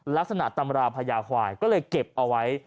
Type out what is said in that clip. ลักษณะตำราภายาคอยก็เลยเก็บเอาไว้